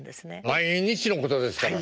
毎日のことですからね。